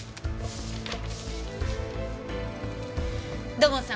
土門さん